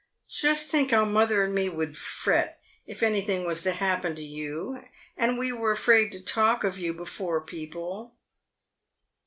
" Just think how mother and me would fret if anything was to happen to you, and we were afraid to talk of you before people."